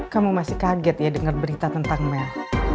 kamu masih kaget ya dengar berita tentang mel